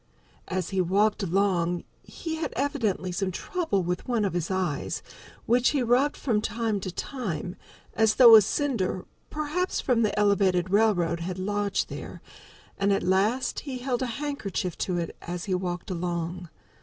As he walked along he had evidently some trouble with one of his eyes, which he rubbed from time to time, as though a cinder, perhaps, from the Elevated Railroad had lodged there, and at last he held a handkerchief to it as he walked along.